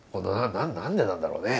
何でなんだろうね？